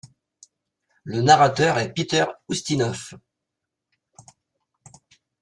Le narrateur est Peter Ustinov.